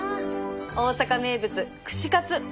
大阪名物串カツ